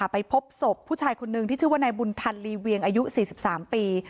ไปพบศพผู้ชายคนนึงที่ชื่อว่านายบุญธันลีเวียงอายุ๔๓ปี